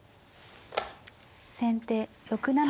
先手６七銀。